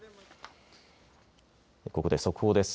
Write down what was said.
ここで速報です。